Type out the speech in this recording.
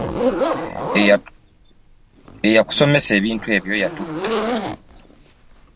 Eyakusomesa ebintu ebyo yatutta.